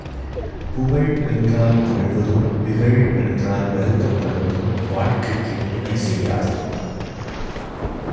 புகழ் என்றால் மகிழ்வதும், இகழ் என்றால் வருத்தப்படுவதும் வாழ்க்கைக்குத் துணை செய்யாது.